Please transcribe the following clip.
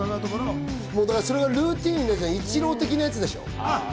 それがルーティンになってイチロー的なことでしょ。